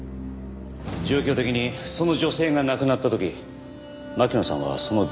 状況的にその女性が亡くなった時巻乃さんはその現場にいた。